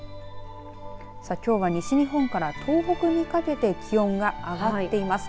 きょうは西日本から東北にかけて気温が上がっています。